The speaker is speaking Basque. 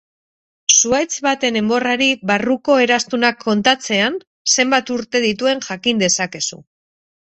Zuhaitz baten enborrari barruko eraztunak kontatzean, zenbat urte dituen jakin dezakezu.